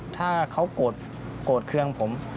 ถ้าเขาโกรธเครื่องผม